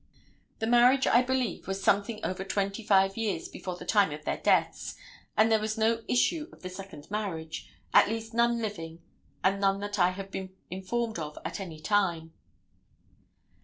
The marriage, I believe, was something over twenty five years before the time of their deaths, and there was no issue of the second marriage, at least none living and none that I have been informed of at any time.